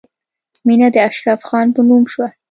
مینه د اشرف خان په نوم شوه